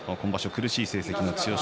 苦しい成績の千代翔